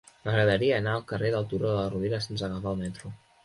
M'agradaria anar al carrer del Turó de la Rovira sense agafar el metro.